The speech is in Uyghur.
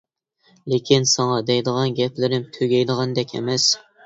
لېكىن ساڭا دەيدىغان گەپلىرىم تۈگەيدىغاندەك ئەمەس.